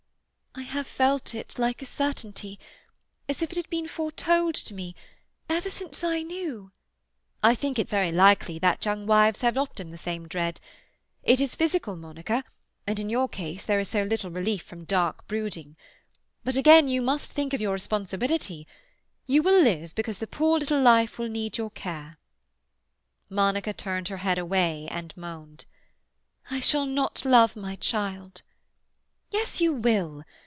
"I have felt it like a certainty—as if it had been foretold to me—ever since I knew—" "I think it very likely that young wives have often the same dread. It is physical, Monica, and in your case there is so little relief from dark brooding. But again you must think of your responsibility. You will live, because the poor little life will need your care." Monica turned her head away and moaned. "I shall not love my child." "Yes, you will.